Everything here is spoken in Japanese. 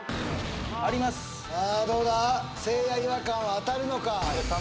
ありますさあどうだせいや違和感は当たるのか？